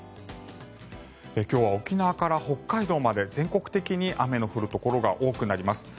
今日は沖縄から北海道まで全国的に雨の降るところが多くなります。